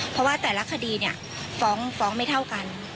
เพราะว่าแต่ละคดีฟ้องไม่เท่ากัน